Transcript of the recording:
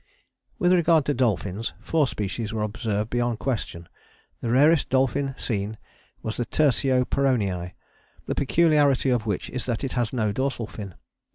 With regard to dolphins four species were observed beyond question. The rarest dolphin seen was Tersio peronii, the peculiarity of which is that it has no dorsal fin.